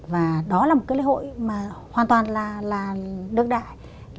và đó là một cái lễ hội mà hoàn toàn là đương đại